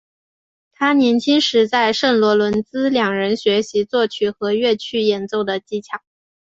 他年轻时在圣罗伦兹两人学习作曲和乐器演奏的技巧。